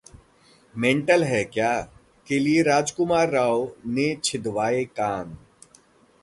'mental है क्या' के लिए राजकुमार राव ने छिदवाए कान